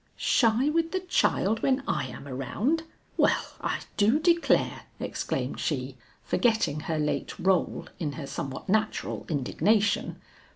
"Shy with the child when I am around! well I do declare!" exclaimed she, forgetting her late rôle in her somewhat natural indignation.